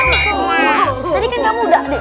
tadi kan kamu udah di